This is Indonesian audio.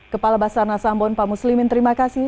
kepala basar nasambon pak muslimin terima kasih